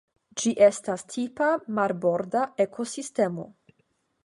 Ĝi estas tipa marborda ekosistemo.